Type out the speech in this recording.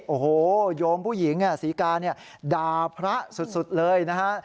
โอ้โหโยมผู้หญิงศรีกาเนี่ยด่าพระสุดเลยนะฮะ